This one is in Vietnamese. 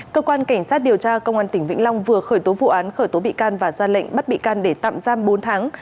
cơ quan cảnh sát điều tra công an tỉnh vĩnh long vừa khởi tố vụ án khởi tố bị can và ra lệnh bắt bị can để tạm giam bốn tháng